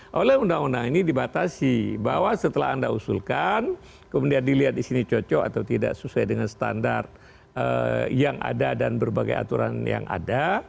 nah oleh undang undang ini dibatasi bahwa setelah anda usulkan kemudian dilihat di sini cocok atau tidak sesuai dengan standar yang ada dan berbagai aturan yang ada